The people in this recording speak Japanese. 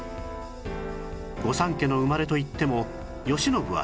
御三家の生まれといっても慶喜は